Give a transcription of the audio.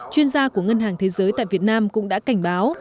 chuyên gia của ngân hàng thế giới tại việt nam cũng đã cảnh báo